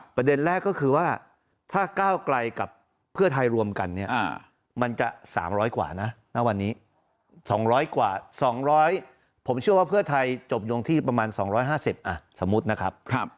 ประเด็นแรกก็คือว่าถ้าก้าวกลายกับเพื่อไทยรวมกันเนี่ยมันจะสามร้อยกว่านะวันนี้สองร้อยกว่าสองร้อยผมเชื่อว่าเพื่อไทยจบลงที่ประมาณสองร้อยห้าสิบสมมุตินะครับ